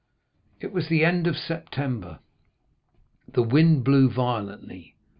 20293m "It was the end of September; the wind blew violently.